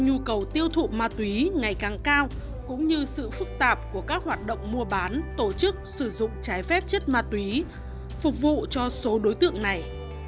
nhu cầu tiêu thụ ma túy ngày càng cao cũng như sự phức tạp của các hoạt động mua bán tổ chức sử dụng trái phép chất ma túy phục vụ cho số đối tượng này